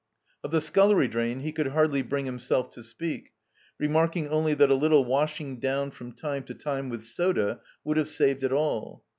Of the scullery drain he could hardly bring himself to speak, remarking only that a little washing down from time to time with soda would have saved it all.